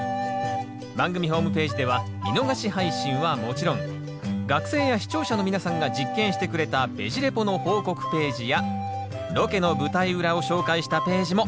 番組ホームページでは見逃し配信はもちろん学生や視聴者の皆さんが実験してくれた「ベジ・レポ」の報告ページやロケの舞台裏を紹介したページも。